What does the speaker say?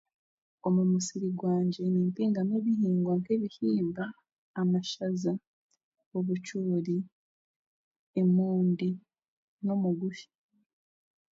Omu musiri gwangye nimpingamu ebihingwa nk'ebihimba, amashaza, obucoori, emondi n'omugusha.